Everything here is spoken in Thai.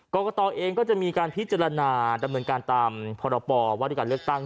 กรกตเองก็จะมีการพิจารณาดำเนินการตามพรปว่าด้วยการเลือกตั้ง